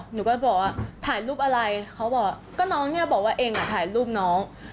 หนูก็บอกว่าถ่ายรูปอะไรเขาบอกก็น้องเนี่ยบอกว่าเองอ่ะถ่ายรูปน้อง